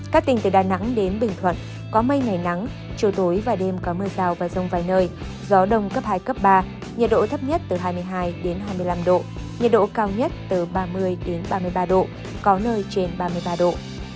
các tỉnh từ đà nẵng đến bình thuận có mây ngày nắng chiều tối và đêm có mưa rào và rông vài nơi gió đông cấp hai cấp ba nhiệt độ thấp nhất từ hai mươi hai hai mươi năm độ nhiệt độ cao nhất từ ba mươi ba mươi ba độ có nơi trên ba mươi ba độ